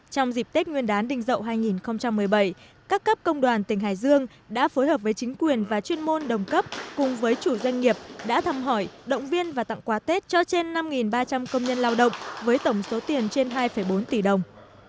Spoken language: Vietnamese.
trong dịp tết nguyên đán đình dậu hai nghìn một mươi bảy các cấp công đoàn tỉnh hải dương đã phối hợp với chính quyền và chuyên môn đồng cấp cùng với chủ doanh nghiệp đã thăm hỏi động viên và tặng quà tết cho trên năm ba trăm linh công nhân lao động với tổng số tiền trên hai bốn tỷ đồng